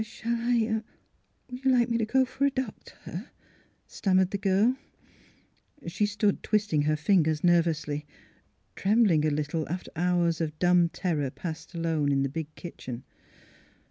'^ Shall I — would you like me to go for a doc tor? " stammered the girl. She stood twisting her fingers nervously, trem bling a little after hours of dumb terror passed alone in the big kitchen.